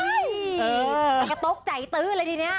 ไอ้กระโต๊กใจตื้นเลยดีนี้